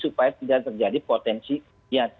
supaya tidak terjadi potensi